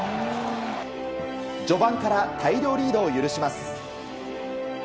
序盤から大量リードを許します。